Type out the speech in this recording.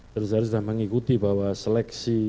terus terus kita mengikuti bahwa seleksi